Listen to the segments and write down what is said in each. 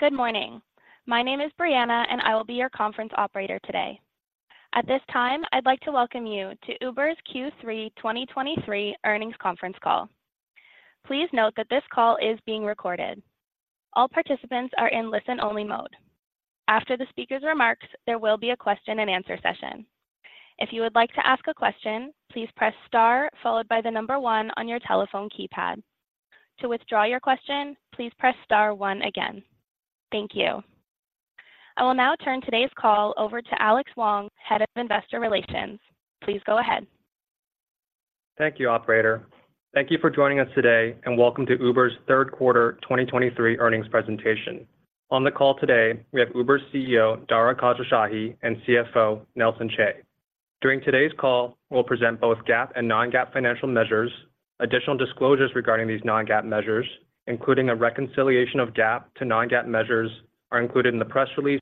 Good morning. My name is Brianna, and I will be your conference operator today. At this time, I'd like to welcome you to Uber's Q3 2023 Earnings Conference Call. Please note that this call is being recorded. All participants are in listen-only mode. After the speaker's remarks, there will be a question-and-answer session. If you would like to ask a question, please press star followed by the number one on your telephone keypad. To withdraw your question, please press star one again. Thank you. I will now turn today's call over to Alex Wang, Head of Investor Relations. Please go ahead. Thank you, operator. Thank you for joining us today, and welcome to Uber's third quarter 2023 earnings presentation. On the call today, we have Uber's CEO, Dara Khosrowshahi, and CFO, Nelson Chai. During today's call, we'll present both GAAP and non-GAAP financial measures. Additional disclosures regarding these non-GAAP measures, including a reconciliation of GAAP to non-GAAP measures, are included in the press release,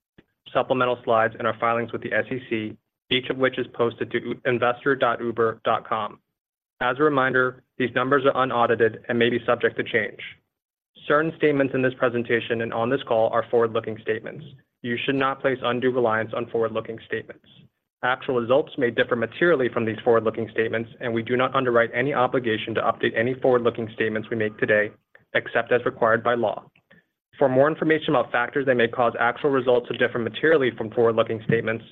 supplemental slides, and our filings with the SEC, each of which is posted to investor.uber.com. As a reminder, these numbers are unaudited and may be subject to change. Certain statements in this presentation and on this call are forward-looking statements. You should not place undue reliance on forward-looking statements. Actual results may differ materially from these forward-looking statements, and we do not undertake any obligation to update any forward-looking statements we make today, except as required by law. For more information about factors that may cause actual results to differ materially from forward-looking statements,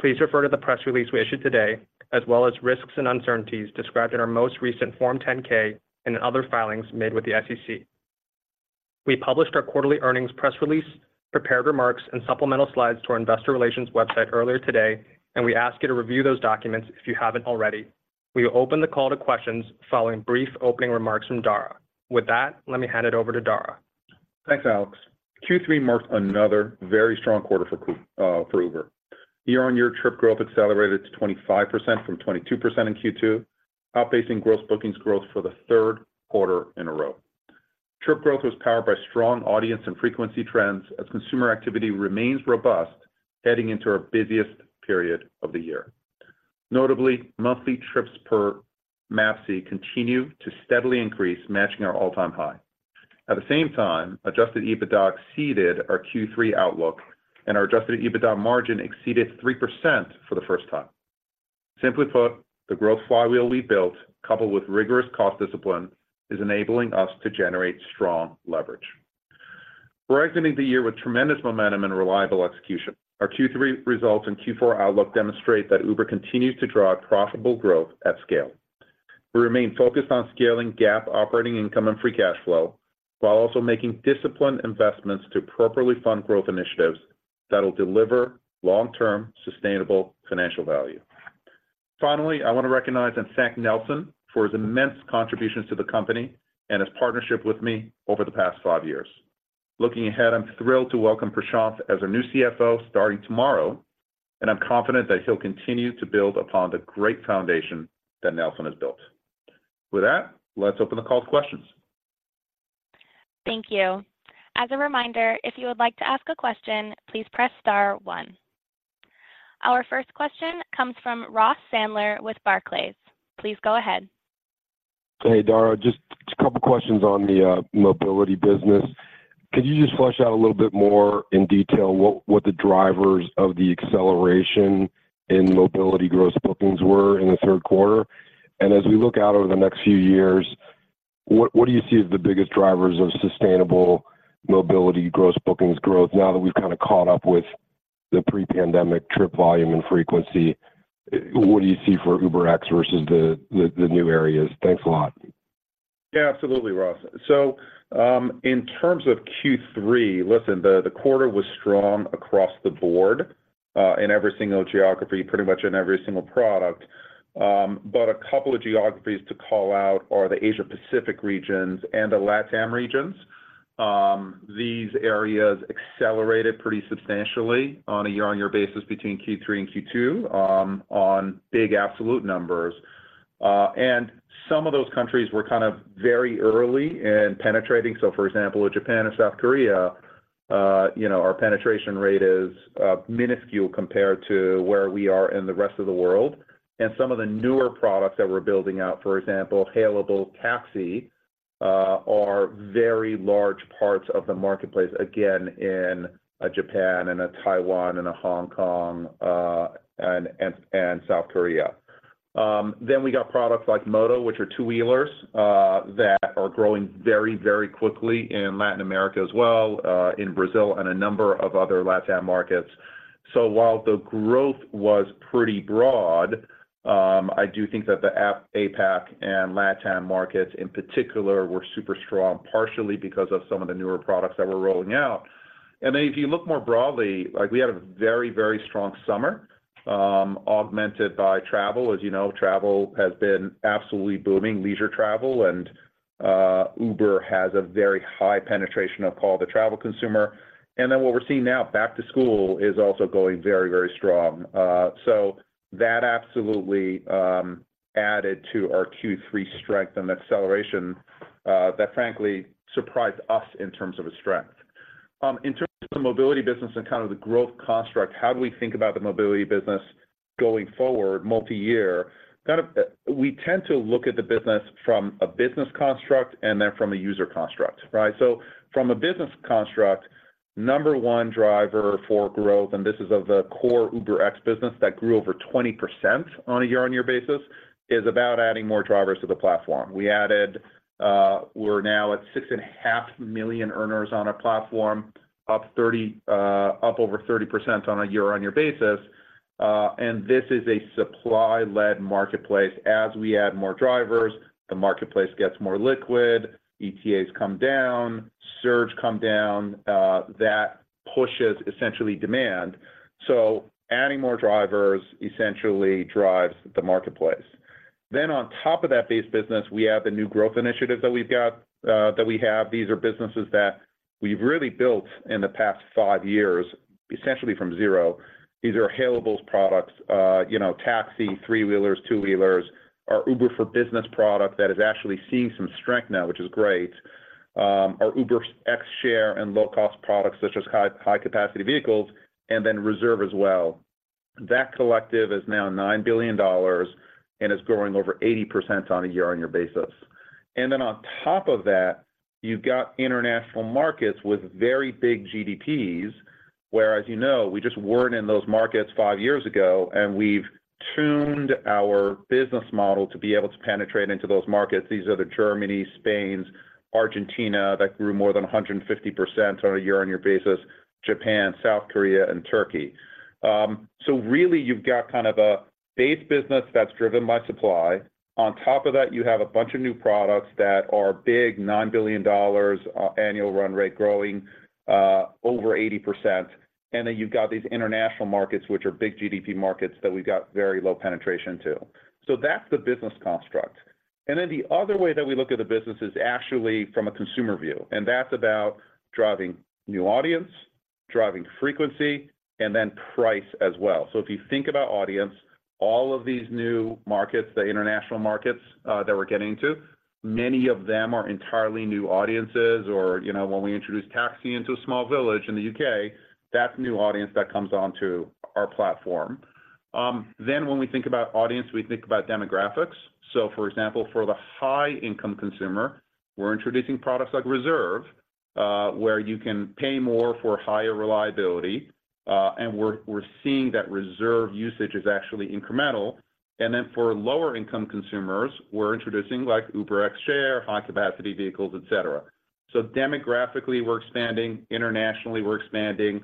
please refer to the press release we issued today, as well as risks and uncertainties described in our most recent Form 10-K and other filings made with the SEC. We published our quarterly earnings press release, prepared remarks and supplemental slides to our investor relations website earlier today, and we ask you to review those documents if you haven't already. We will open the call to questions following brief opening remarks from Dara. With that, let me hand it over to Dara. Thanks, Alex. Q3 marks another very strong quarter for Uber, for Uber. Year-on-year trip growth accelerated to 25% from 22% in Q2, outpacing gross bookings growth for the third quarter in a row. Trip growth was powered by strong audience and frequency trends as consumer activity remains robust, heading into our busiest period of the year. Notably, monthly trips per MAPC continue to steadily increase, matching our all-time high. At the same time, Adjusted EBITDA exceeded our Q3 outlook, and our Adjusted EBITDA margin exceeded 3% for the first time. Simply put, the growth flywheel we built, coupled with rigorous cost discipline, is enabling us to generate strong leverage. We're exiting the year with tremendous momentum and reliable execution. Our Q3 results and Q4 outlook demonstrate that Uber continues to drive profitable growth at scale. We remain focused on scaling GAAP operating income, and free cash flow, while also making disciplined investments to appropriately fund growth initiatives that will deliver long-term, sustainable financial value. Finally, I want to recognize and thank Nelson for his immense contributions to the company and his partnership with me over the past five years. Looking ahead, I'm thrilled to welcome Prashanth as our new CFO starting tomorrow, and I'm confident that he'll continue to build upon the great foundation that Nelson has built. With that, let's open the call to questions. Thank you. As a reminder, if you would like to ask a question, please press star one. Our first question comes from Ross Sandler with Barclays. Please go ahead. Hey, Dara, just a couple of questions on the mobility business. Could you just flesh out a little bit more in detail what the drivers of the acceleration in mobility gross bookings were in the third quarter? And as we look out over the next few years, what do you see as the biggest drivers of sustainable mobility gross bookings growth, now that we've kind of caught up with the pre-pandemic trip volume and frequency? What do you see for UberX versus the new areas? Thanks a lot. Yeah, absolutely, Ross. So, in terms of Q3, listen, the quarter was strong across the board, in every single geography, pretty much in every single product. But a couple of geographies to call out are the Asia Pacific regions and the LatAm regions. These areas accelerated pretty substantially on a year-on-year basis between Q3 and Q2, on big absolute numbers. And some of those countries were kind of very early in penetrating. So for example, in Japan and South Korea, you know, our penetration rate is minuscule compared to where we are in the rest of the world. And some of the newer products that we're building out, for example, hailable taxi, are very large parts of the marketplace, again, in Japan and Taiwan and Hong Kong, and South Korea. Then we got products like Moto, which are two-wheelers, that are growing very, very quickly in Latin America as well, in Brazil and a number of other LatAm markets. So while the growth was pretty broad, I do think that the APAC and LatAm markets in particular were super strong, partially because of some of the newer products that we're rolling out. And then if you look more broadly, like we had a very, very strong summer, augmented by travel. As you know, travel has been absolutely booming, leisure travel, and Uber has a very high penetration of call the travel consumer. And then what we're seeing now, back-to-school is also going very, very strong. So that absolutely added to our Q3 strength and acceleration, that frankly surprised us in terms of its strength. In terms of the mobility business and kind of the growth construct, how do we think about the mobility business going forward, multi-year, kind of, we tend to look at the business from a business construct and then from a user construct, right? So from a business construct, number one driver for growth, and this is of the core UberX business that grew over 20% on a year-on-year basis, is about adding more drivers to the platform. We added, we're now at 6.5 million earners on our platform, up thirty, up over 30% on a year-on-year basis, and this is a supply-led marketplace. As we add more drivers, the marketplace gets more liquid, ETAs come down, surge come down, that pushes essentially demand. So adding more drivers essentially drives the marketplace. Then on top of that base business, we have the new growth initiatives that we've got, that we have. These are businesses that we've really built in the past five years, essentially from zero. These are hailable products, you know, taxi, three-wheelers, two-wheelers, our Uber for Business product that is actually seeing some strength now, which is great, our UberX Share and low-cost products such as high-capacity vehicles, and then Reserve as well. That collective is now $9 billion and is growing over 80% on a year-over-year basis. And then on top of that, you've got international markets with very big GDPs, where, as you know, we just weren't in those markets five years ago, and we've tuned our business model to be able to penetrate into those markets. These are the Germany, Spain, Argentina, that grew more than 150% on a year-over-year basis, Japan, South Korea, and Turkey. So really, you've got kind of a base business that's driven by supply. On top of that, you have a bunch of new products that are big, $9 billion annual run rate, growing over 80%. And then you've got these international markets, which are big GDP markets, that we've got very low penetration to. So that's the business construct. And then the other way that we look at the business is actually from a consumer view, and that's about driving new audience, driving frequency, and then price as well. So if you think about audience, all of these new markets, the international markets, that we're getting into, many of them are entirely new audiences. Or, you know, when we introduce Taxi into a small village in the U.K., that's new audience that comes onto our platform. Then when we think about audience, we think about demographics. So, for example, for the high-income consumer, we're introducing products like Reserve, where you can pay more for higher reliability, and we're seeing that Reserve usage is actually incremental. And then for lower-income consumers, we're introducing like UberX Share, high-capacity vehicles, et cetera. So demographically, we're expanding, internationally, we're expanding,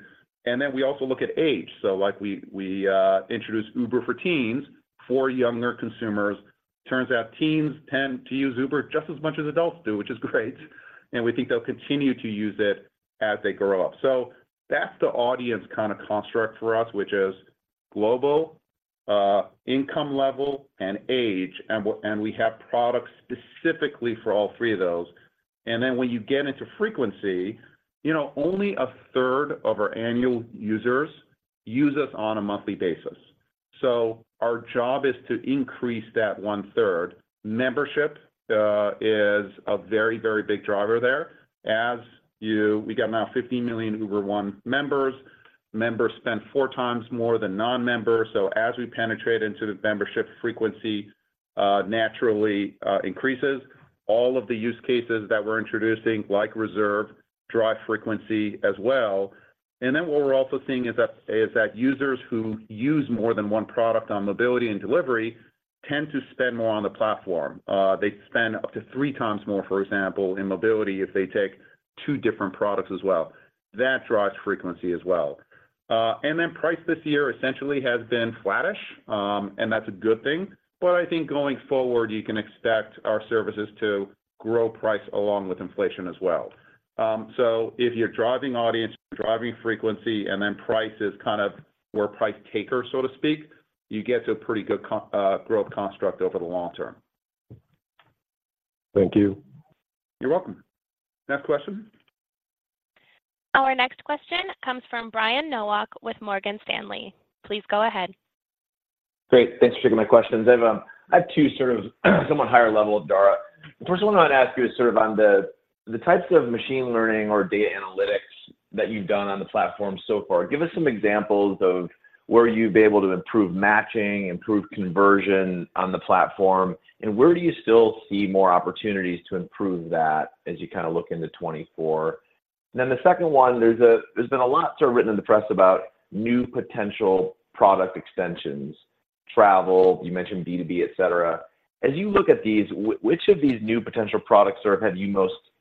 and then we also look at age. So like we introduced Uber for Teens for younger consumers. Turns out teens tend to use Uber just as much as adults do, which is great, and we think they'll continue to use it as they grow up. So that's the audience kind of construct for us, which is global, income level, and age, and we have products specifically for all three of those. And then when you get into frequency, you know, only a third of our annual users use us on a monthly basis. So our job is to increase that one-third. Membership is a very, very big driver there. As we got now 50 million Uber One members. Members spend four times more than non-members, so as we penetrate into the membership, frequency naturally increases. All of the use cases that we're introducing, like Reserve, drive frequency as well. And then what we're also seeing is that users who use more than one product on mobility and delivery tend to spend more on the platform. They spend up to three times more, for example, in mobility, if they take two different products as well. That drives frequency as well. And then price this year essentially has been flattish, and that's a good thing. But I think going forward, you can expect our services to grow price along with inflation as well. So if you're driving audience, you're driving frequency, and then price is kind of we're a price taker, so to speak, you get to a pretty good growth construct over the long term. Thank you. You're welcome. Next question. Our next question comes from Brian Nowak with Morgan Stanley. Please go ahead. Great. Thanks for taking my questions. I have, I have two sort of somewhat higher level, Dara. The first one I want to ask you is sort of on the, the types of machine learning or data analytics that you've done on the platform so far. Give us some examples of where you've been able to improve matching, improve conversion on the platform, and where do you still see more opportunities to improve that as you kind of look into 2024? Then the second one, there's been a lot sort of written in the press about new potential product extensions, travel, you mentioned B2B, et cetera. As you look at these, which of these new potential products sort of have you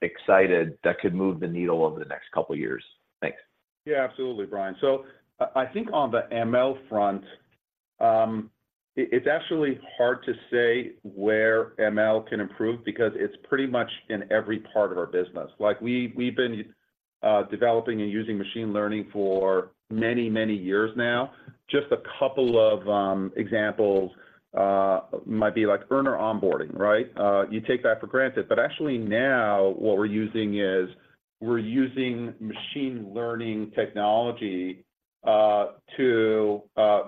most excited that could move the needle over the next couple of years? Thanks. Yeah, absolutely, Brian. So I think on the ML front, it's actually hard to say where ML can improve because it's pretty much in every part of our business. Like, we've been developing and using machine learning for many, many years now. Just a couple of examples might be like earner onboarding, right? You take that for granted, but actually now what we're using is we're using machine learning technology to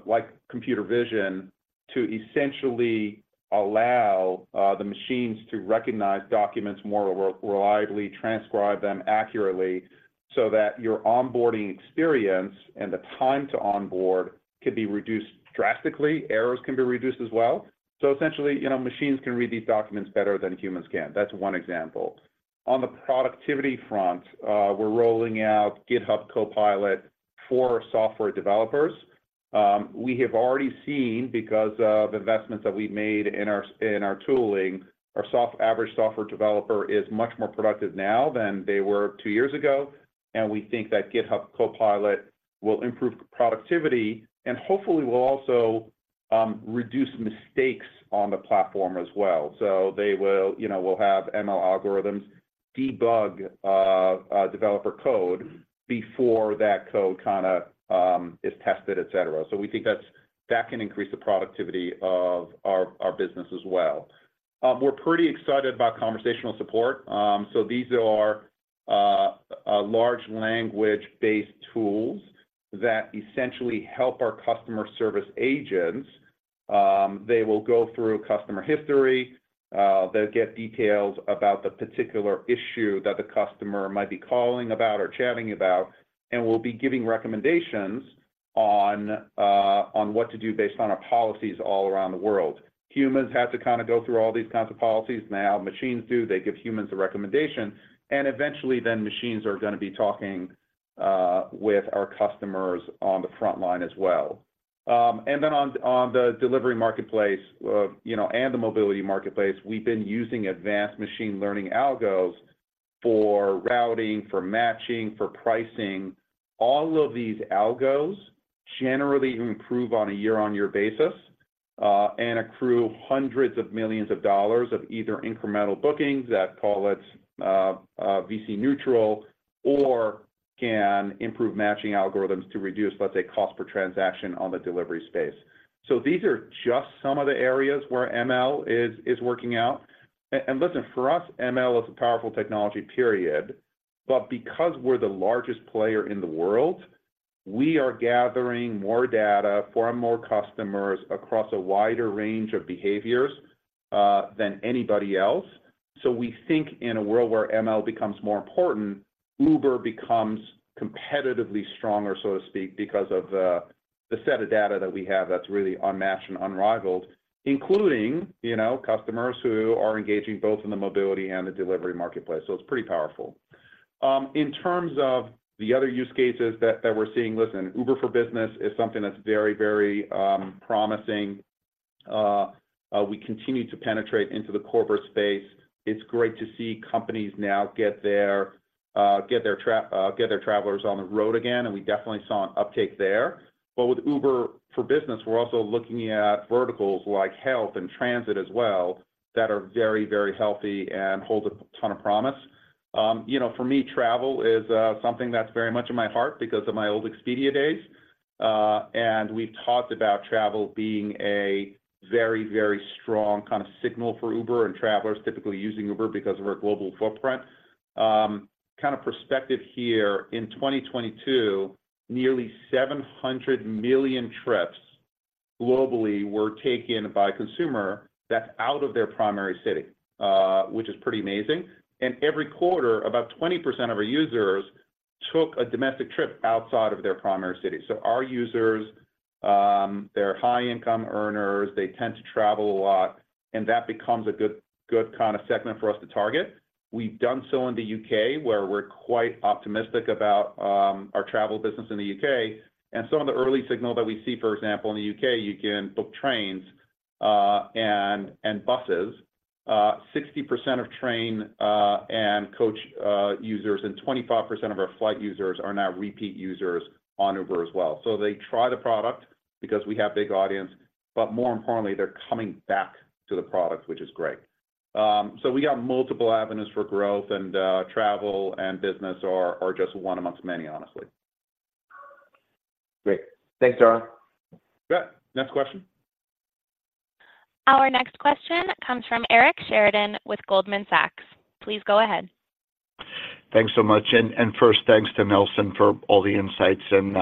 like computer vision to essentially allow the machines to recognize documents more reliably, transcribe them accurately, so that your onboarding experience and the time to onboard can be reduced drastically, errors can be reduced as well. So essentially, you know, machines can read these documents better than humans can. That's one example. On the productivity front, we're rolling out GitHub Copilot for software developers. We have already seen, because of investments that we've made in our, in our tooling, our average software developer is much more productive now than they were two years ago, and we think that GitHub Copilot will improve productivity and hopefully will also reduce mistakes on the platform as well. So they will, you know, we'll have ML algorithms debug developer code before that code kinda is tested, et cetera. So we think that can increase the productivity of our business as well. We're pretty excited about conversational support. So these are large language-based tools that essentially help our customer service agents. They will go through customer history, they'll get details about the particular issue that the customer might be calling about or chatting about, and will be giving recommendations on what to do based on our policies all around the world. Humans have to kind of go through all these kinds of policies. Now, machines do. They give humans the recommendation, and eventually, then machines are gonna be talking with our customers on the front line as well. And then on the delivery marketplace, you know, and the mobility marketplace, we've been using advanced machine learning algos for routing, for matching, for pricing. All of these algos generally improve on a year-on-year basis, and accrue $hundreds of millions of either incremental bookings that call it, VC neutral, or can improve matching algorithms to reduce, let's say, cost per transaction on the delivery space. So these are just some of the areas where ML is working out. And listen, for us, ML is a powerful technology, period. But because we're the largest player in the world, we are gathering more data from more customers across a wider range of behaviors than anybody else. So we think in a world where ML becomes more important, Uber becomes competitively stronger, so to speak, because of the set of data that we have that's really unmatched and unrivaled, including, you know, customers who are engaging both in the mobility and the delivery marketplace. So it's pretty powerful. In terms of the other use cases that we're seeing, listen, Uber for Business is something that's very, very promising. We continue to penetrate into the corporate space. It's great to see companies now get their travelers on the road again, and we definitely saw an uptake there. But with Uber for Business, we're also looking at verticals like health and transit as well, that are very, very healthy and hold a ton of promise. You know, for me, travel is something that's very much in my heart because of my old Expedia days. And we've talked about travel being a very, very strong kind of signal for Uber, and travelers typically using Uber because of our global footprint. Kind of perspective here, in 2022, nearly 700 million trips globally were taken by a consumer that's out of their primary city, which is pretty amazing. And every quarter, about 20% of our users took a domestic trip outside of their primary city. So our users, they're high-income earners, they tend to travel a lot, and that becomes a good, good kind of segment for us to target. We've done so in the U.K., where we're quite optimistic about our travel business in the U.K. And some of the early signals that we see, for example, in the U.K., you can book trains and buses. 60% of train and coach users, and 25% of our flight users are now repeat users on Uber as well. So they try the product because we have big audience, but more importantly, they're coming back to the product, which is great. So we got multiple avenues for growth, and, travel and business are just one amongst many, honestly. Great. Thanks, Dara. Great. Next question? Our next question comes from Eric Sheridan with Goldman Sachs. Please go ahead. Thanks so much. And, and first, thanks to Nelson for all the insights and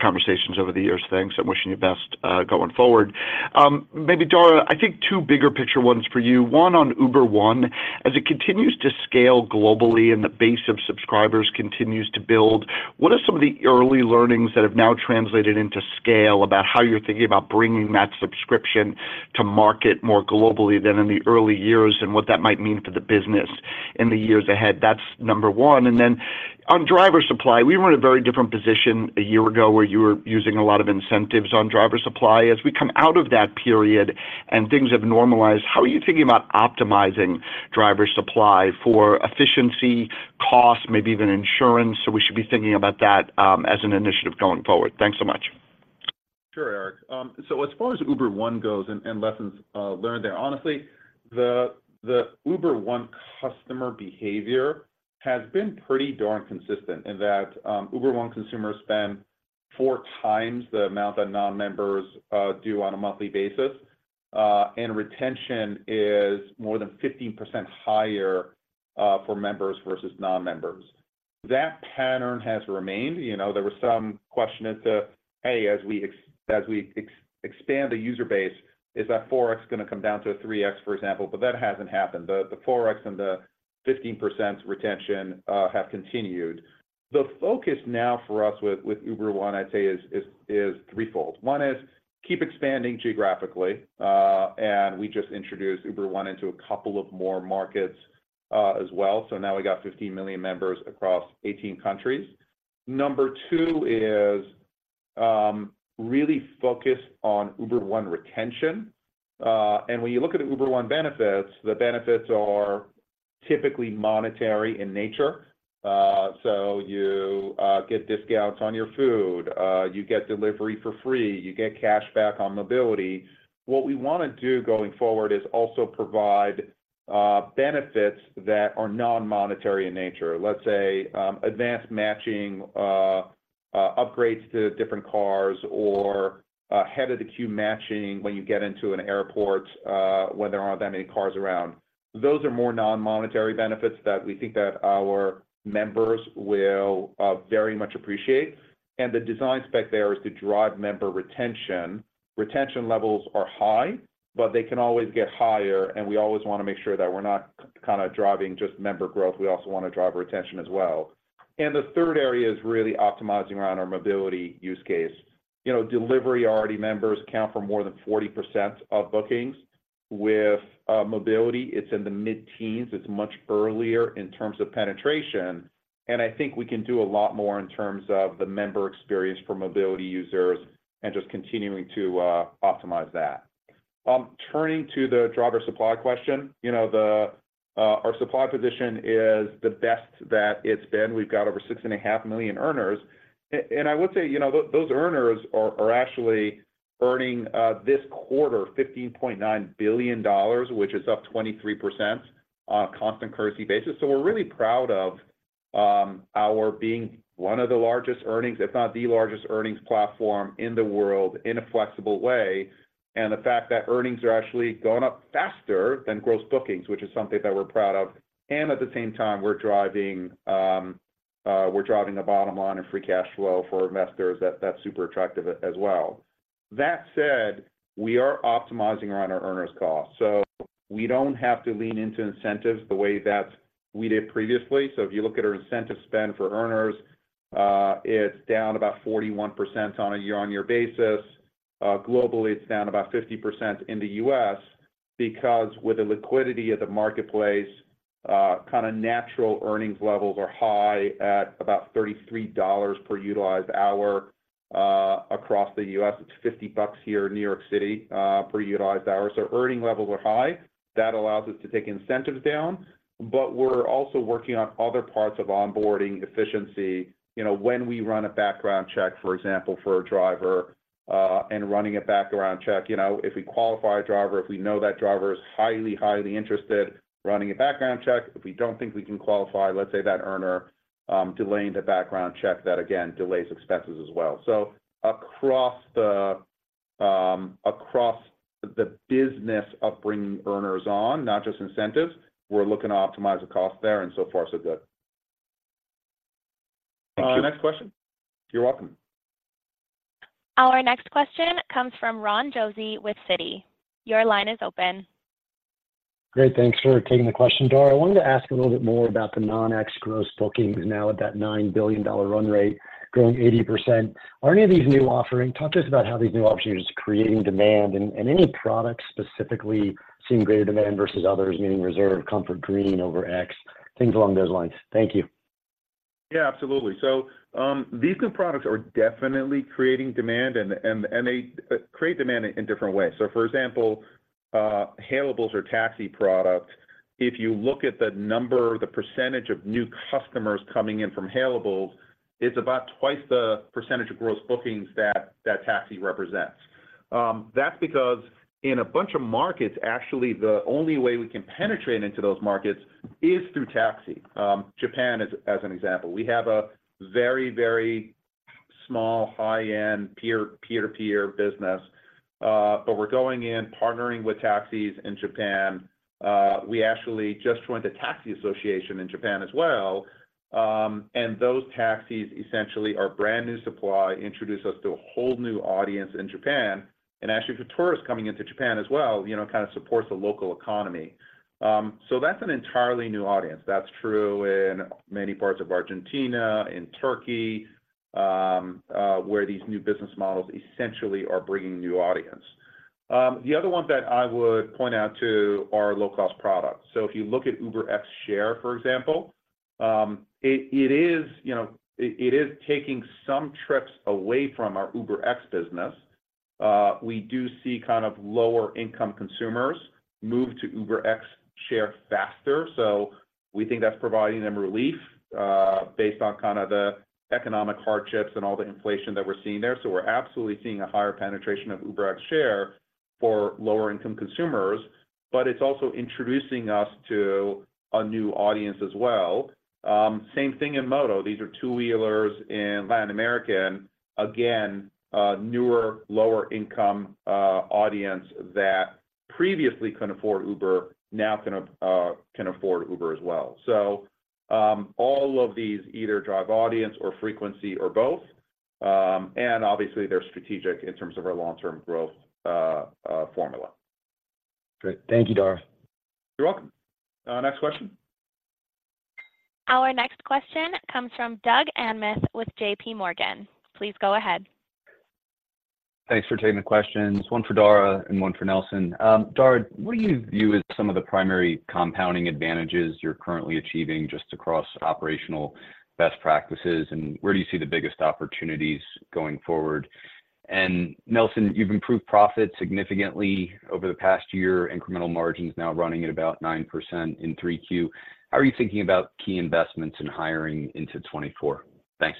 conversations over the years. Thanks, and wishing you the best going forward. Maybe, Dara, I think two bigger picture ones for you. One on Uber One, as it continues to scale globally and the base of subscribers continues to build, what are some of the early learnings that have now translated into scale about how you're thinking about bringing that subscription to market more globally than in the early years, and what that might mean for the business in the years ahead? That's number one. And then on driver supply, we were in a very different position a year ago, where you were using a lot of incentives on driver supply. As we come out of that period and things have normalized, how are you thinking about optimizing driver supply for efficiency, cost, maybe even insurance? So we should be thinking about that, as an initiative going forward. Thanks so much. Sure, Eric. So as far as Uber One goes and lessons learned there, honestly, the Uber One customer behavior has been pretty darn consistent in that Uber One consumers spend 4 times the amount that non-members do on a monthly basis. And retention is more than 15% higher for members versus non-members. That pattern has remained. You know, there were some question as to, hey, as we expand the user base, is that 4X going to come down to a 3X, for example, but that hasn't happened. The 4X and the 15% retention have continued. The focus now for us with Uber One, I'd say is threefold. One is keep expanding geographically, and we just introduced Uber One into a couple of more markets as well. So now we got 15 million members across 18 countries. Number 2 is really focused on Uber One retention. And when you look at the Uber One benefits, the benefits are typically monetary in nature. So you get discounts on your food, you get delivery for free, you get cashback on mobility. What we want to do going forward is also provide benefits that are non-monetary in nature. Let's say advanced matching, upgrades to different cars, or a head of the queue matching when you get into an airport, when there aren't that many cars around. Those are more non-monetary benefits that we think that our members will very much appreciate. And the design spec there is to drive member retention. Retention levels are high, but they can always get higher, and we always want to make sure that we're not kind of driving just member growth, we also want to drive retention as well. And the third area is really optimizing around our mobility use case. You know, delivery already members account for more than 40% of bookings. With mobility, it's in the mid-teens. It's much earlier in terms of penetration, and I think we can do a lot more in terms of the member experience for mobility users and just continuing to optimize that. Turning to the driver supply question, you know, our supply position is the best that it's been. We've got over 6.5 million earners, and I would say, you know, those earners are actually earning this quarter $15.9 billion, which is up 23% on a constant currency basis. So we're really proud of our being one of the largest earnings, if not the largest earnings platform in the world, in a flexible way. And the fact that earnings are actually going up faster than gross bookings, which is something that we're proud of. And at the same time, we're driving the bottom line and free cash flow for investors. That's super attractive as well. That said, we are optimizing around our earners' costs, so we don't have to lean into incentives the way that we did previously. So if you look at our incentive spend for earners, it's down about 41% on a year-on-year basis. Globally, it's down about 50% in the US because with the liquidity of the marketplace, kind of natural earnings levels are high at about $33 per utilized hour, across the US. It's $50 here in New York City, per utilized hour. So earning levels are high. That allows us to take incentives down, but we're also working on other parts of onboarding efficiency. You know, when we run a background check, for example, for a driver, and running a background check, you know, if we qualify a driver, if we know that driver is highly, highly interested, running a background check, if we don't think we can qualify, let's say, that earner, delaying the background check, that again delays expenses as well. So across the, across the business of bringing earners on, not just incentives, we're looking to optimize the cost there, and so far, so good. Thank you. Next question. You're welcome. Our next question comes from Ron Josey with Citi. Your line is open. Great. Thanks for taking the question, Dara. I wanted to ask a little bit more about the non-X gross bookings now at that $9 billion run rate, growing 80%. Are any of these new offerings—talk to us about how these new offerings are just creating demand, and, and any products specifically seeing greater demand versus others, meaning Reserve, Comfort, Green over X, things along those lines. Thank you. Yeah, absolutely. So these new products are definitely creating demand, and they create demand in different ways. So for example, hailable or taxi product, if you look at the number, the percentage of new customers coming in from hailable, it's about twice the percentage of gross bookings that taxi represents. That's because in a bunch of markets, actually, the only way we can penetrate into those markets is through taxi. Japan, as an example, we have a very, very small, high-end peer-to-peer business, but we're going in partnering with taxis in Japan. We actually just joined the Taxi Association in Japan as well. And those taxis essentially are brand-new supply, introduce us to a whole new audience in Japan, and actually for tourists coming into Japan as well, you know, kind of supports the local economy. So that's an entirely new audience. That's true in many parts of Argentina, in Turkey, where these new business models essentially are bringing new audience. The other one that I would point out, too, are low-cost products. So if you look at UberX Share, for example, it is, you know, taking some trips away from our UberX business. We do see kind of lower-income consumers move to UberX Share faster, so we think that's providing them relief, based on kind of the economic hardships and all the inflation that we're seeing there. So we're absolutely seeing a higher penetration of UberX Share for lower-income consumers, but it's also introducing us to a new audience as well. Same thing in Moto. These are two-wheelers in Latin America, and again, newer, lower-income audience that. previously couldn't afford Uber, now can afford Uber as well. So, all of these either drive audience or frequency or both, and obviously, they're strategic in terms of our long-term growth, formula. Great. Thank you, Dara. You're welcome. Next question. Our next question comes from Doug Anmuth with J.P. Morgan. Please go ahead. Thanks for taking the questions, one for Dara and one for Nelson. Dara, what do you view as some of the primary compounding advantages you're currently achieving just across operational best practices, and where do you see the biggest opportunities going forward? And Nelson, you've improved profit significantly over the past year, incremental margins now running at about 9% in 3Q. How are you thinking about key investments in hiring into 2024? Thanks.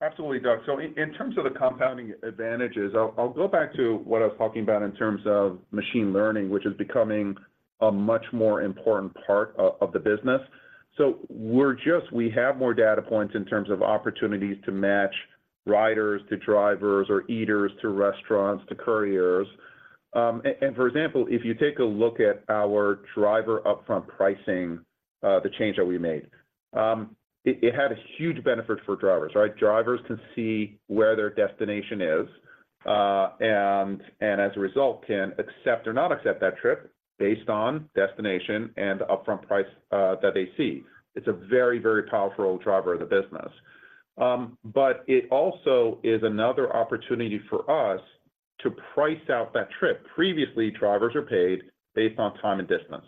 Absolutely, Doug. So in terms of the compounding advantages, I'll go back to what I was talking about in terms of machine learning, which is becoming a much more important part of the business. So we're just we have more data points in terms of opportunities to match riders to drivers or eaters to restaurants, to couriers. And, for example, if you take a look at our driver upfront pricing, the change that we made, it had a huge benefit for drivers, right? Drivers can see where their destination is, and as a result, can accept or not accept that trip based on destination and the upfront price that they see. It's a very, very powerful driver of the business. But it also is another opportunity for us to price out that trip. Previously, drivers are paid based on time and distance.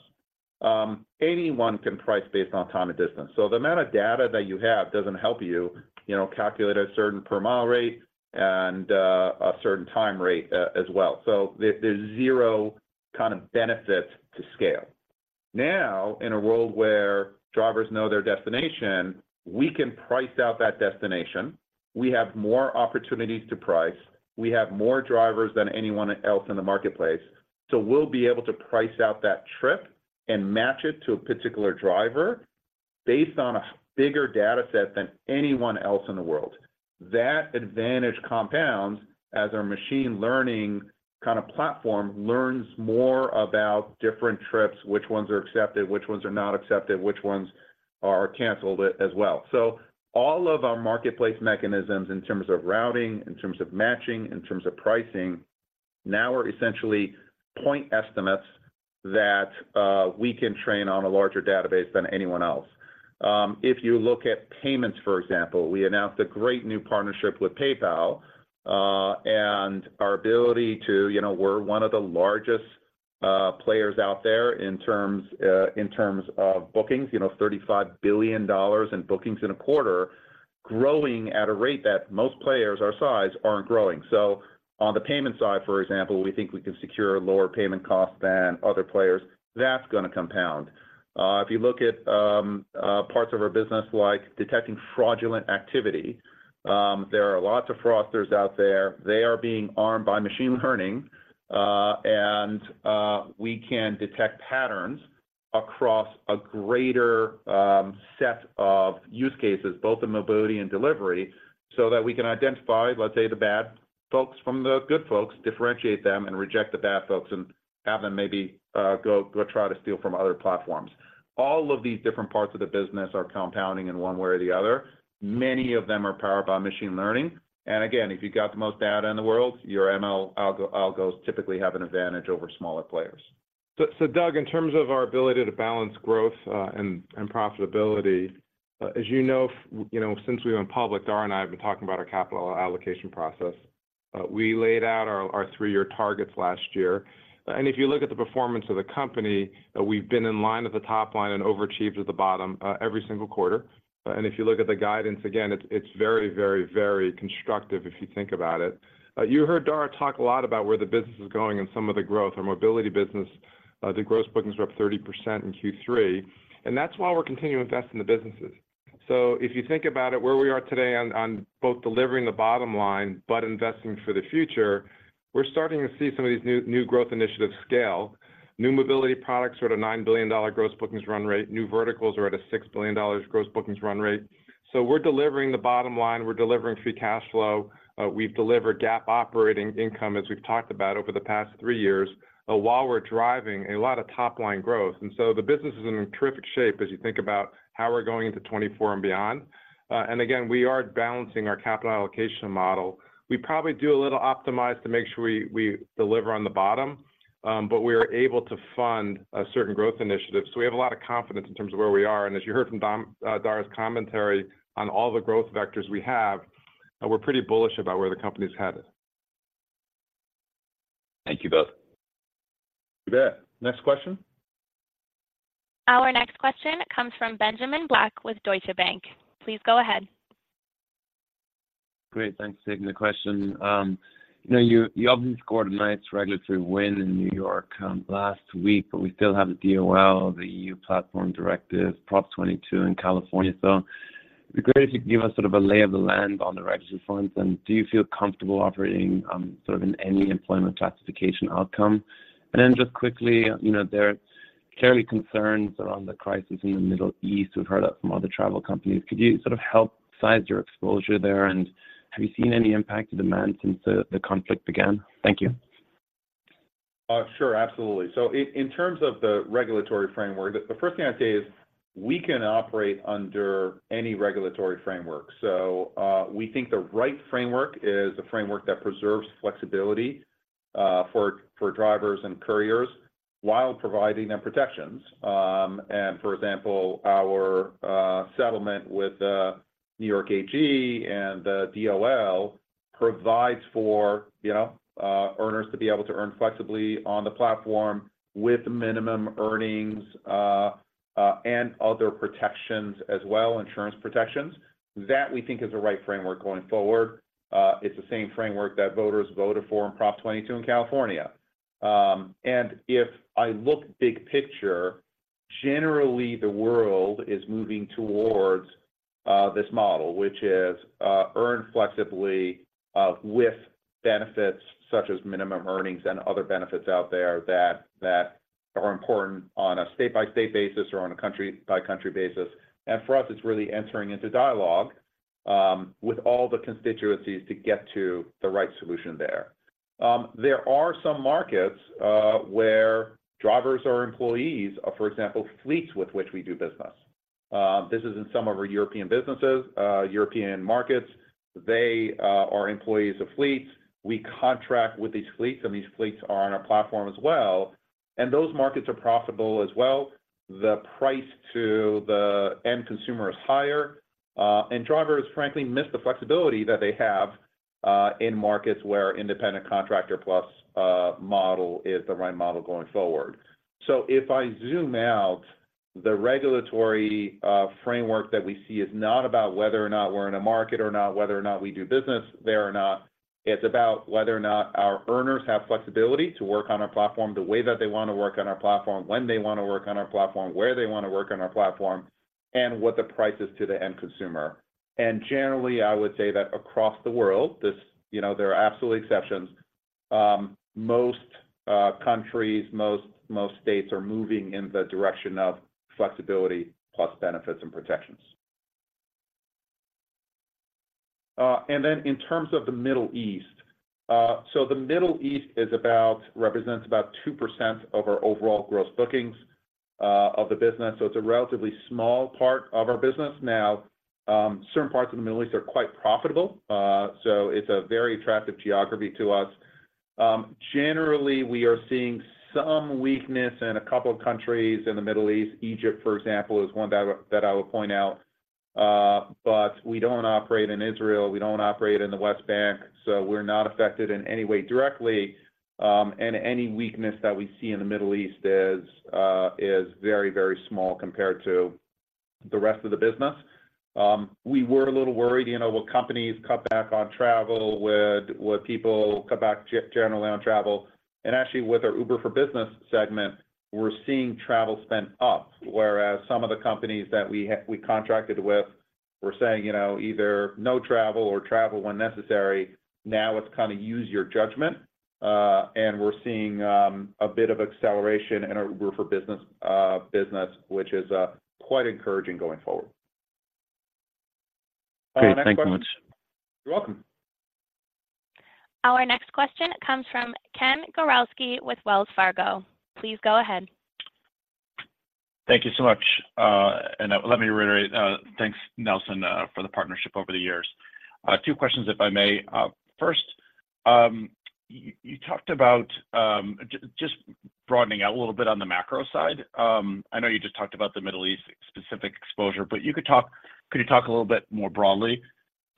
Anyone can price based on time and distance. So the amount of data that you have doesn't help you, you know, calculate a certain per mile rate and a certain time rate as well. So there's zero kind of benefit to scale. Now, in a world where drivers know their destination, we can price out that destination. We have more opportunities to price. We have more drivers than anyone else in the marketplace, so we'll be able to price out that trip and match it to a particular driver based on a bigger data set than anyone else in the world. That advantage compounds as our machine learning kind of platform learns more about different trips, which ones are accepted, which ones are not accepted, which ones are canceled as well. So all of our marketplace mechanisms, in terms of routing, in terms of matching, in terms of pricing, now are essentially point estimates that we can train on a larger database than anyone else. If you look at payments, for example, we announced a great new partnership with PayPal, and our ability to. You know, we're one of the largest players out there in terms in terms of bookings. You know, $35 billion in bookings in a quarter, growing at a rate that most players our size aren't growing. So on the payment side, for example, we think we can secure lower payment costs than other players. That's gonna compound. If you look at parts of our business, like detecting fraudulent activity, there are lots of fraudsters out there. They are being armed by machine learning, and we can detect patterns across a greater set of use cases, both in mobility and delivery, so that we can identify, let's say, the bad folks from the good folks, differentiate them and reject the bad folks and have them maybe go try to steal from other platforms. All of these different parts of the business are compounding in one way or the other. Many of them are powered by machine learning. And again, if you've got the most data in the world, your ML algos typically have an advantage over smaller players. So, Doug, in terms of our ability to balance growth and profitability, as you know, you know, since we've been public, Dara and I have been talking about our capital allocation process. We laid out our three-year targets last year, and if you look at the performance of the company, we've been in line at the top line and overachieved at the bottom every single quarter. And if you look at the guidance, again, it's very, very, very constructive, if you think about it. You heard Dara talk a lot about where the business is going and some of the growth. Our mobility business, the gross bookings were up 30% in Q3, and that's why we're continuing to invest in the businesses. So if you think about it, where we are today on both delivering the bottom line, but investing for the future, we're starting to see some of these new growth initiatives scale. New mobility products are at a $9 billion gross bookings run rate. New verticals are at a $6 billion gross bookings run rate. So we're delivering the bottom line, we're delivering free cash flow. We've delivered GAAP operating income, as we've talked about over the past 3 years, while we're driving a lot of top-line growth. And so the business is in terrific shape as you think about how we're going into 2024 and beyond. And again, we are balancing our capital allocation model. We probably do a little optimize to make sure we deliver on the bottom, but we are able to fund certain growth initiatives. So we have a lot of confidence in terms of where we are. And as you heard from Dara, Dara's commentary on all the growth vectors we have, we're pretty bullish about where the company's headed. Thank you both. You bet. Next question? Our next question comes from Benjamin Black with Deutsche Bank. Please go ahead. Great. Thanks for taking the question. You know, you obviously scored a nice regulatory win in New York last week, but we still have the DOL, the EU Platform Directive, Prop 22 in California. So it'd be great if you could give us sort of a lay of the land on the regulatory front, and do you feel comfortable operating sort of in any employment classification outcome? And then just quickly, you know, there are clearly concerns around the crisis in the Middle East. We've heard that from other travel companies. Could you sort of help size your exposure there, and have you seen any impact to demand since the conflict began? Thank you. Sure, absolutely. So in terms of the regulatory framework, the first thing I'd say is we can operate under any regulatory framework. So we think the right framework is a framework that preserves flexibility for drivers and couriers while providing them protections. And for example, our settlement with the New York AG and the DOL provides for, you know, earners to be able to earn flexibly on the platform with minimum earnings and other protections as well, insurance protections. That we think is the right framework going forward. It's the same framework that voters voted for in Prop 22 in California. If I look big picture, generally, the world is moving towards this model, which is earn flexibly with benefits such as minimum earnings and other benefits out there that that are important on a state-by-state basis or on a country-by-country basis. For us, it's really entering into dialogue with all the constituencies to get to the right solution there. There are some markets where drivers or employees, for example, fleets with which we do business. This is in some of our European businesses, European markets. They are employees of fleets. We contract with these fleets, and these fleets are on our platform as well, and those markets are profitable as well. The price to the end consumer is higher, and drivers frankly miss the flexibility that they have, in markets where independent contractor plus model is the right model going forward. So if I zoom out, the regulatory framework that we see is not about whether or not we're in a market or not, whether or not we do business there or not. It's about whether or not our earners have flexibility to work on our platform, the way that they want to work on our platform, when they want to work on our platform, where they want to work on our platform, and what the price is to the end consumer. And generally, I would say that across the world, this, you know, there are absolutely exceptions, most countries, most states are moving in the direction of flexibility plus benefits and protections. And then in terms of the Middle East, so the Middle East represents about 2% of our overall gross bookings, of the business, so it's a relatively small part of our business. Now, certain parts of the Middle East are quite profitable, so it's a very attractive geography to us. Generally, we are seeing some weakness in a couple of countries in the Middle East. Egypt, for example, is one that I would point out. But we don't operate in Israel, we don't operate in the West Bank, so we're not affected in any way directly. And any weakness that we see in the Middle East is very, very small compared to the rest of the business. We were a little worried, you know, will companies cut back on travel? Would people cut back generally on travel? And actually, with our Uber for Business segment, we're seeing travel spend up, whereas some of the companies that we have, we contracted with were saying, you know, either no travel or travel when necessary. Now it's kind of use your judgment, and we're seeing a bit of acceleration in our Uber for Business business, which is quite encouraging going forward. Great. Thank you much. You're welcome. Our next question comes from Ken Gawrelski with Wells Fargo. Please go ahead. Thank you so much. And let me reiterate, thanks, Nelson, for the partnership over the years. Two questions, if I may. First, just broadening out a little bit on the macro side, I know you just talked about the Middle East-specific exposure, but could you talk a little bit more broadly?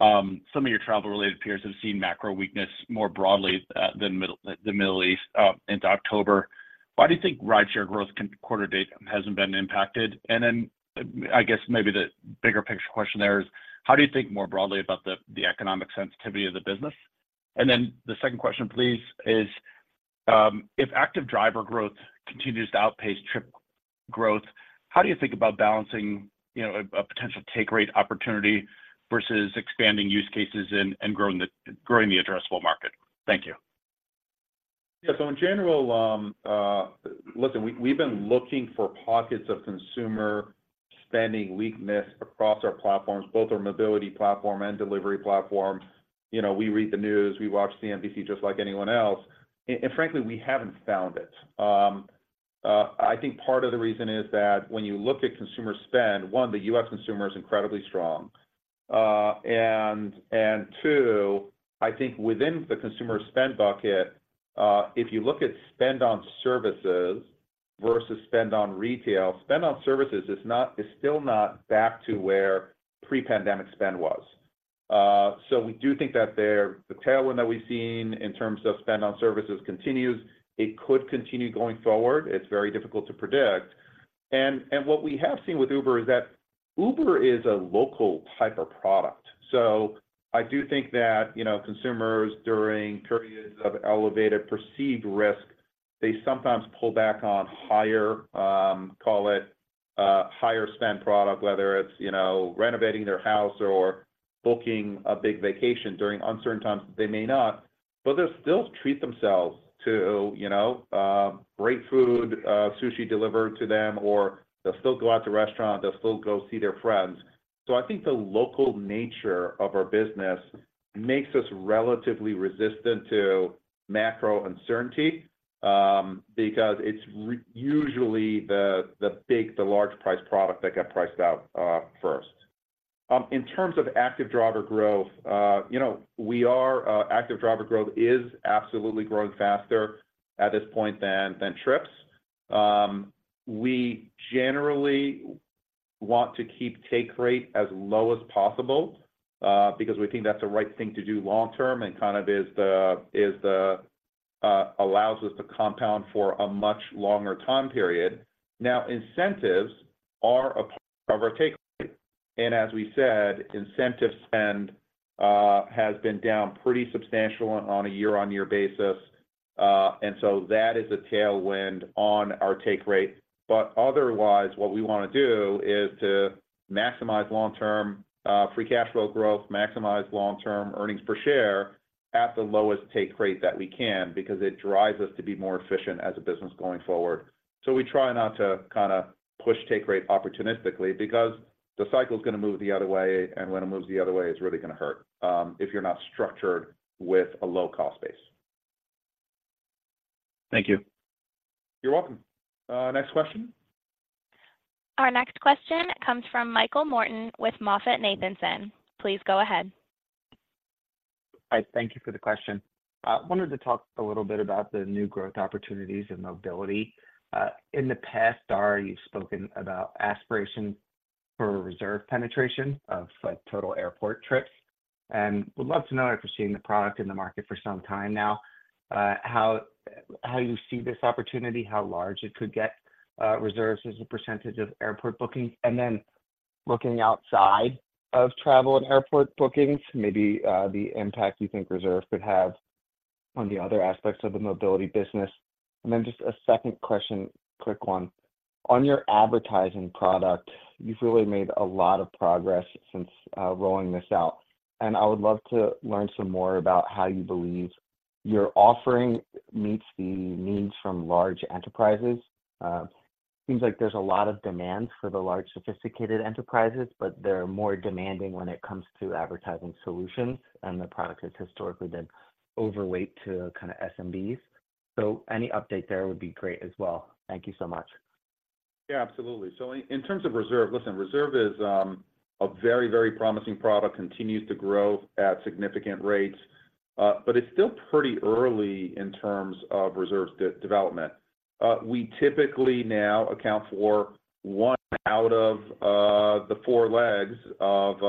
Some of your travel-related peers have seen macro weakness more broadly than the Middle East into October. Why do you think rideshare growth quarter date hasn't been impacted? And then, I guess maybe the bigger picture question there is: How do you think more broadly about the economic sensitivity of the business? And then the second question, please, is, if active driver growth continues to outpace trip growth, how do you think about balancing, you know, a potential take rate opportunity versus expanding use cases and growing the addressable market? Thank you. Yeah. So in general, listen, we, we've been looking for pockets of consumer spending weakness across our platforms, both our mobility platform and delivery platform. You know, we read the news, we watch CNBC just like anyone else, and frankly, we haven't found it. I think part of the reason is that when you look at consumer spend, one, the U.S. consumer is incredibly strong. And two, I think within the consumer spend bucket, if you look at spend on services versus spend on retail, spend on services is not, is still not back to where pre-pandemic spend was. So we do think that there, the tailwind that we've seen in terms of spend on services continues. It could continue going forward. It's very difficult to predict. What we have seen with Uber is that Uber is a local type of product. So I do think that, you know, consumers during periods of elevated perceived risk, they sometimes pull back on higher, higher spend product, whether it's, you know, renovating their house or booking a big vacation during uncertain times, they may not, but they'll still treat themselves to, you know, great food, sushi delivered to them, or they'll still go out to restaurant, they'll still go see their friends. So I think the local nature of our business makes us relatively resistant to macro uncertainty, because it's usually the, the big, the large price product that got priced out, first. In terms of active driver growth, you know, we are, active driver growth is absolutely growing faster at this point than trips. We generally want to keep take rate as low as possible, because we think that's the right thing to do long term and kind of allows us to compound for a much longer time period. Now, incentives are a part of our take rate, and as we said, incentive spend has been down pretty substantial on a year-on-year basis. And so that is a tailwind on our take rate. But otherwise, what we want to do is to maximize long-term free cash flow growth, maximize long-term earnings per share at the lowest take rate that we can, because it drives us to be more efficient as a business going forward. We try not to kind of push take rate opportunistically because the cycle is gonna move the other way, and when it moves the other way, it's really gonna hurt if you're not structured with a low-cost base. Thank you. You're welcome. Next question. Our next question comes from Michael Morton with MoffettNathanson. Please go ahead. Hi, thank you for the question. I wanted to talk a little bit about the new growth opportunities in mobility. In the past, Dara, you've spoken about aspiration for Reserve penetration of like total airport trips, and would love to know, after seeing the product in the market for some time now, how you see this opportunity, how large it could get, Reserves as a percentage of airport bookings. And then looking outside of travel and airport bookings, maybe, the impact you think Reserve could have on the other aspects of the mobility business. And then just a second question, quick one: on your advertising product, you've really made a lot of progress since rolling this out, and I would love to learn some more about how you believe your offering meets the needs from large enterprises. Seems like there's a lot of demand for the large, sophisticated enterprises, but they're more demanding when it comes to advertising solutions, and the product has historically been overweight to kind of SMBs. So any update there would be great as well. Thank you so much. Yeah, absolutely. So in terms of Reserve, listen, Reserve is a very, very promising product, continues to grow at significant rates, but it's still pretty early in terms of Reserve's development. We typically now account for one out of the four legs of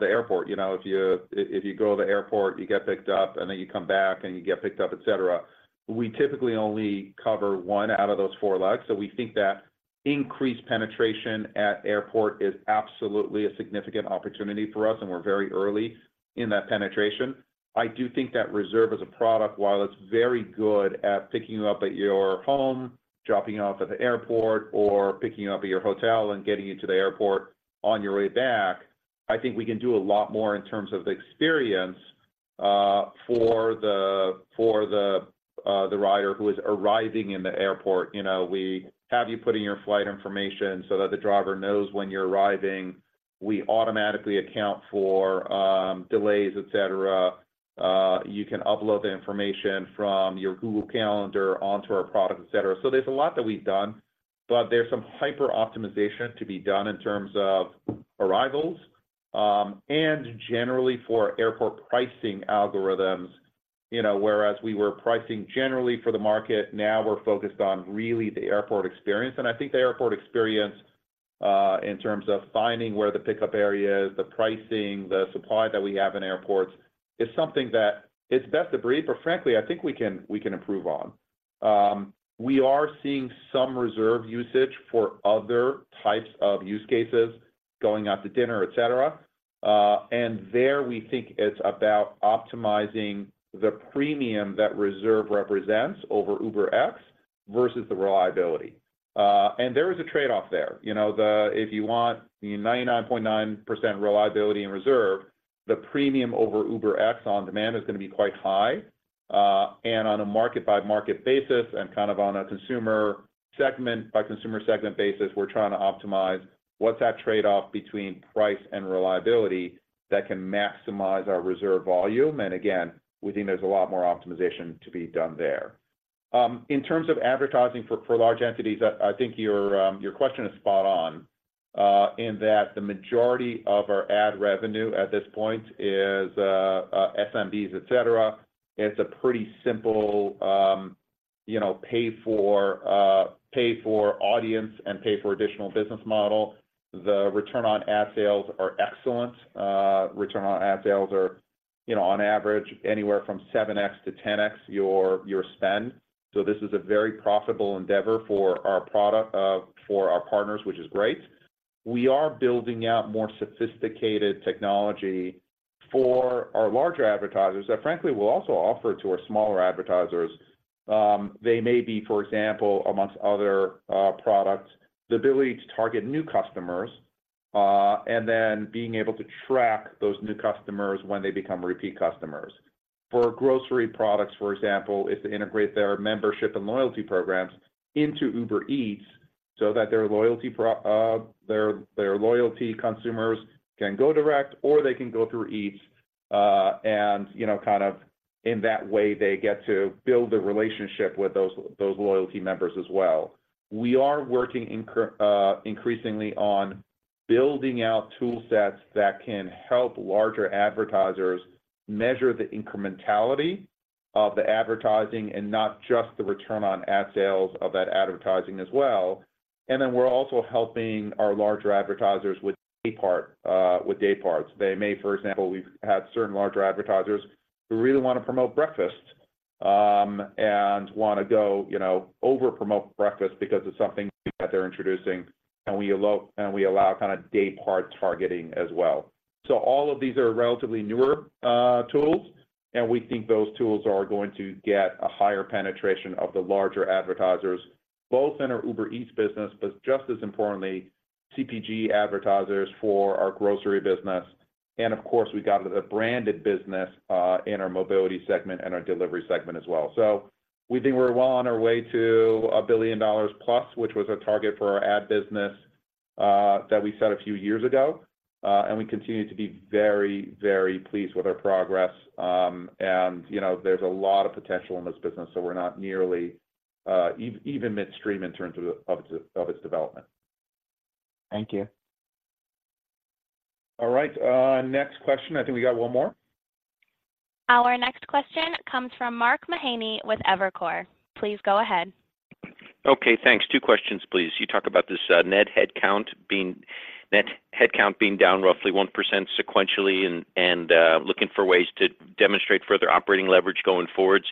the airport. You know, if you go to the airport, you get picked up, and then you come back and you get picked up, et cetera. We typically only cover one out of those four legs, so we think that increased penetration at airport is absolutely a significant opportunity for us, and we're very early in that penetration. I do think that Reserve as a product, while it's very good at picking you up at your home, dropping you off at the airport, or picking you up at your hotel and getting you to the airport on your way back, I think we can do a lot more in terms of the experience for the rider who is arriving in the airport. You know, we have you put in your flight information so that the driver knows when you're arriving. We automatically account for delays, et cetera. You can upload the information from your Google Calendar onto our product, et cetera. So there's a lot that we've done, but there's some hyper-optimization to be done in terms of arrivals and generally for airport pricing algorithms. You know, whereas we were pricing generally for the market, now we're focused on really the airport experience. And I think the airport experience, in terms of finding where the pickup area is, the pricing, the supply that we have in airports, is something that it's best to treat, but frankly, I think we can improve on. We are seeing some Reserve usage for other types of use cases, going out to dinner, et cetera. And there, we think it's about optimizing the premium that Reserve represents over UberX versus the reliability. And there is a trade-off there. You know, if you want the 99.9% reliability in Reserve, the premium over UberX on demand is gonna be quite high. And on a market-by-market basis and kind of on a consumer segment-by-consumer segment basis, we're trying to optimize what's that trade-off between price and reliability that can maximize our Reserve volume. And again, we think there's a lot more optimization to be done there. In terms of advertising for large entities, I think your question is spot on, in that the majority of our ad revenue at this point is SMBs, et cetera. It's a pretty simple, you know, pay for pay for audience and pay for additional business model. The return on ad sales are excellent. Return on ad sales are, you know, on average, anywhere from 7x-10x your spend. So this is a very profitable endeavor for our product, for our partners, which is great. We are building out more sophisticated technology for our larger advertisers that frankly will also offer to our smaller advertisers. They may be, for example, amongst other products, the ability to target new customers and then being able to track those new customers when they become repeat customers. For grocery products, for example, is to integrate their membership and loyalty programs into Uber Eats so that their loyalty consumers can go direct, or they can go through Eats and, you know, kind of in that way, they get to build a relationship with those loyalty members as well. We are working increasingly on building out tool sets that can help larger advertisers measure the incrementality of the advertising and not just the return on ad sales of that advertising as well. And then we're also helping our larger advertisers with day part, with day parts. They may, for example, we've had certain larger advertisers who really want to promote breakfast, and want to go, you know, over-promote breakfast because of something that they're introducing, and we allow kind of day part targeting as well. So all of these are relatively newer tools, and we think those tools are going to get a higher penetration of the larger advertisers, both in our Uber Eats business, but just as importantly, CPG advertisers for our grocery business. And of course, we've got a branded business in our mobility segment and our delivery segment as well. So we think we're well on our way to $1 billion plus, which was our target for our ad business that we set a few years ago, and we continue to be very, very pleased with our progress. You know, there's a lot of potential in this business, so we're not nearly even midstream in terms of its development. Thank you. All right, next question. I think we got one more. Our next question comes from Mark Mahaney with Evercore. Please go ahead. Okay, thanks. Two questions, please. You talk about this net head count being down roughly 1% sequentially and looking for ways to demonstrate further operating leverage going forward.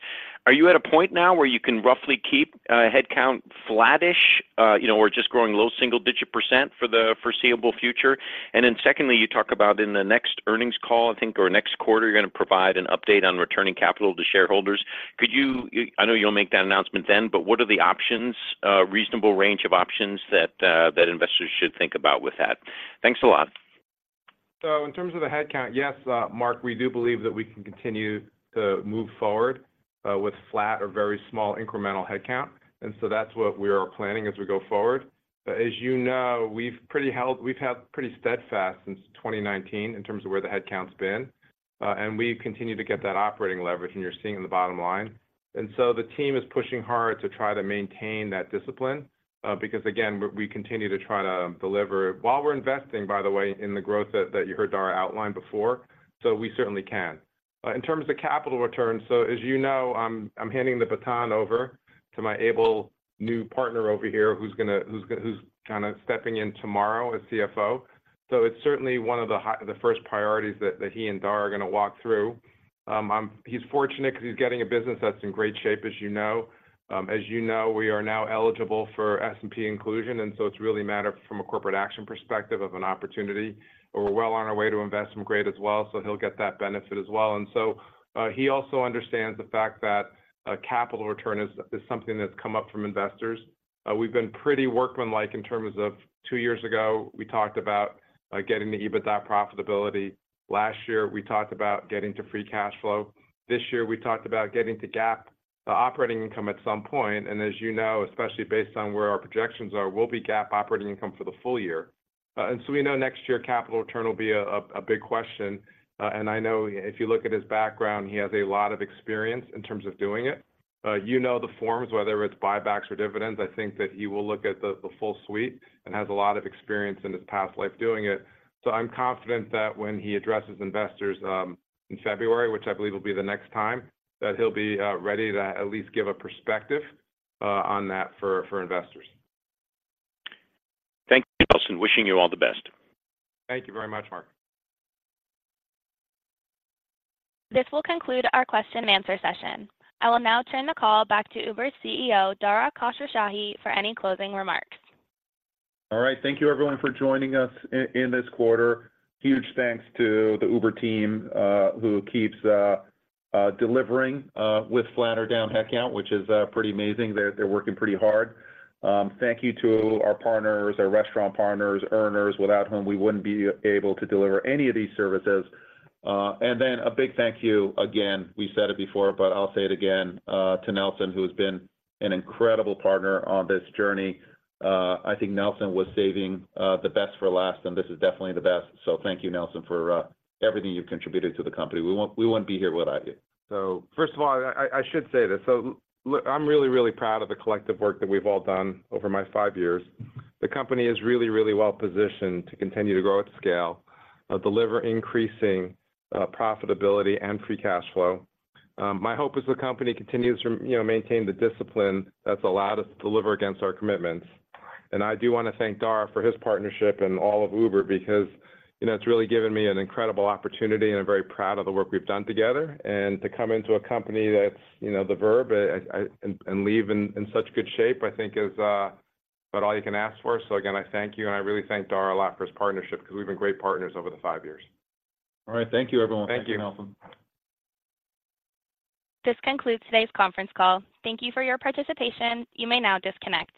Are you at a point now where you can roughly keep head count flattish, you know, or just growing low single-digit % for the foreseeable future? And then secondly, you talk about in the next earnings call, I think, or next quarter, you're gonna provide an update on returning capital to shareholders. Could you—I know you'll make that announcement then, but what are the options, reasonable range of options that investors should think about with that? Thanks a lot. So in terms of the headcount, yes, Mark, we do believe that we can continue to move forward with flat or very small incremental headcount, and so that's what we are planning as we go forward. But as you know, we've pretty held—we've had pretty steadfast since 2019 in terms of where the headcount's been, and we've continued to get that operating leverage, and you're seeing it in the bottom line. And so the team is pushing hard to try to maintain that discipline because, again, we, we continue to try to deliver while we're investing, by the way, in the growth that, that you heard Dara outline before. So we certainly can. In terms of capital return, so as you know, I'm handing the baton over to my able new partner over here, who's gonna who's kind of stepping in tomorrow as CFO. So it's certainly one of the first priorities that he and Dara are gonna walk through. He's fortunate because he's getting a business that's in great shape, as you know. As you know, we are now eligible for S&P inclusion, and so it's really a matter from a corporate action perspective of an opportunity, and we're well on our way to investment grade as well, so he'll get that benefit as well. And so, he also understands the fact that capital return is something that's come up from investors. We've been pretty workmanlike in terms of two years ago, we talked about getting the EBITDA profitability. Last year, we talked about getting to free cash flow. This year, we talked about getting to GAAP, the operating income at some point, and as you know, especially based on where our projections are, will be GAAP operating income for the full year. And so we know next year, capital return will be a big question, and I know if you look at his background, he has a lot of experience in terms of doing it. You know, the forms, whether it's buybacks or dividends, I think that he will look at the full suite and has a lot of experience in his past life doing it. I'm confident that when he addresses investors in February, which I believe will be the next time, that he'll be ready to at least give a perspective on that for investors. Thank you, Nelson. Wishing you all the best. Thank you very much, Mark. This will conclude our question and answer session. I will now turn the call back to Uber's CEO, Dara Khosrowshahi, for any closing remarks. All right. Thank you, everyone, for joining us in this quarter. Huge thanks to the Uber team, who keeps delivering with flat or down head count, which is pretty amazing. They're working pretty hard. Thank you to our partners, our restaurant partners, earners, without whom we wouldn't be able to deliver any of these services. And then a big thank you again, we said it before, but I'll say it again, to Nelson, who has been an incredible partner on this journey. I think Nelson was saving the best for last, and this is definitely the best. So thank you, Nelson, for everything you've contributed to the company. We wouldn't be here without you. So first of all, I should say this: so look, I'm really, really proud of the collective work that we've all done over my five years. The company is really, really well positioned to continue to grow at scale, deliver increasing profitability and free cash flow. My hope is the company continues to, you know, maintain the discipline that's allowed us to deliver against our commitments. And I do want to thank Dara for his partnership and all of Uber, because, you know, it's really given me an incredible opportunity, and I'm very proud of the work we've done together. And to come into a company that's, you know, the verb, and leave in such good shape, I think, is about all you can ask for. So again, I thank you, and I really thank Dara a lot for his partnership because we've been great partners over the five years. All right. Thank you, everyone. Thank you. Thank you, Nelson. This concludes today's conference call. Thank you for your participation. You may now disconnect.